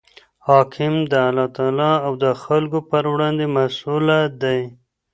حاکم د الله تعالی او د خلکو پر وړاندي مسئوله دئ.